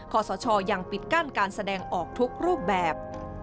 ขอสชยังปิดกั้นการแสดงออกทุกรูปแบบ